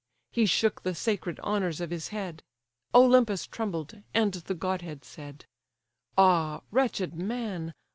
He shook the sacred honours of his head; Olympus trembled, and the godhead said; "Ah, wretched man!